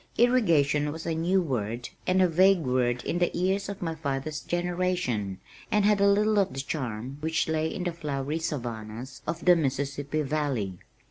"Irrigation" was a new word and a vague word in the ears of my father's generation, and had little of the charm which lay in the "flowery savannahs" of the Mississippi valley.